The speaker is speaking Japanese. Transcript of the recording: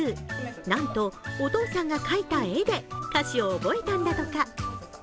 なんとお父さんが描いた絵で歌詞を覚えたんだとか。